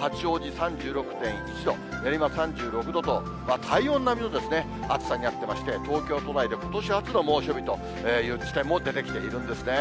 八王子３６．１度、今３６度と、体温並みの暑さになっていまして、東京都内でことし初の猛暑日という地点も出てきているんですね。